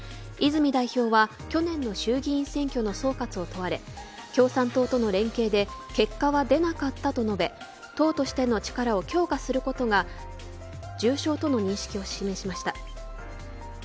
泉代表は、去年の衆議院選挙の総括を問われ共産党との連携で結果は出なかったと述べ党としての力を強化することが重要との認識を示しました。